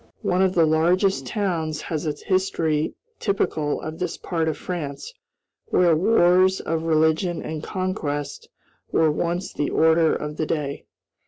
One of the largest towns has a history typical of this part of France, where wars of religion and conquest were once the order of the day.